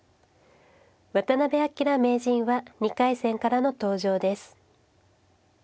渡辺明名人は２回戦からの登場です。